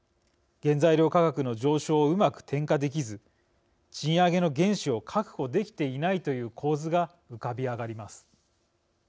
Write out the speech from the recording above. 原材料価格の上昇をうまく転嫁できず賃上げの原資を確保できていないという構図が浮かび上がります。